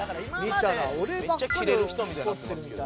めっちゃキレる人みたいになってますけど。